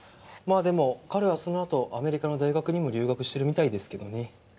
まあでも彼はそのあとアメリカの大学にも留学してるみたいですけどね。